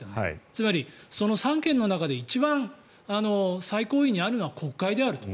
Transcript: つまり、その三権の中で一番最高位にあるのは国会であると。